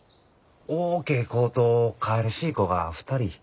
大けえ子とかいらしい子が２人。